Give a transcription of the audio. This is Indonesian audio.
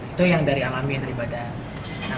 itu yang dari alamin daripada